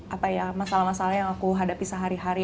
apa ya masalah masalah yang aku hadapi sehari hari